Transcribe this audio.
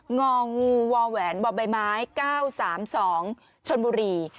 งองูวอแหวนบ่อใบไม้๙๓๒ชนบุรี